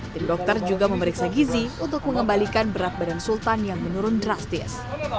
tim dokter juga memeriksa gizi untuk mengembalikan berat badan sultan yang menurun drastis